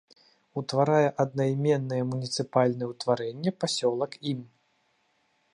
Утварае аднайменнае муніцыпальнае ўтварэнне пасёлак ім.